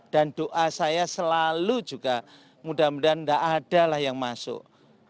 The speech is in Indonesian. dan doa saya selalu juga mudah mudahan tidak ada yang masuk